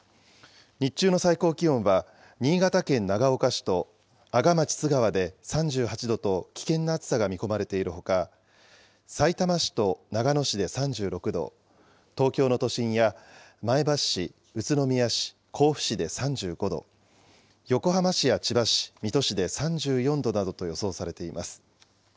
日中の最高気温は、新潟県長岡市と阿賀町津川で３８度と、危険な暑さが見込まれているほか、さいたま市と長野市で３６度、東京の都心や前橋市、宇都宮市、甲府市で３５度、横浜市や千葉市、水戸市で３４度などと予想されています。